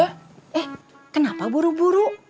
eh kenapa buru buru